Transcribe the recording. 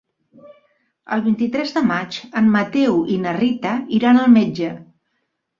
El vint-i-tres de maig en Mateu i na Rita iran al metge.